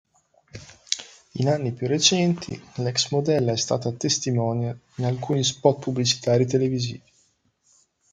In anni più recenti l'ex-modella è stata testimonial in alcuni spot pubblicitari televisivi.